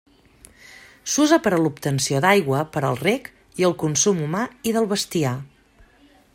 S'usa per a l'obtenció d'aigua per al rec i el consum humà i del bestiar.